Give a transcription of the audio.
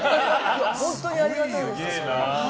本当にありがたいです。